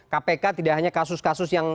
kpk tidak hanya kasus kasus yang